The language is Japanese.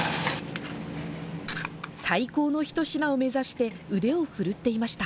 最高の一品を目指して、腕を振るっていました。